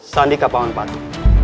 sandi kapangan pati